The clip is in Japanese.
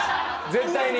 絶対に。